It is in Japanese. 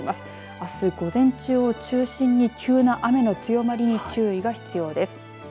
あす、午前中を中心に急な雨の強まりに注意が必要です。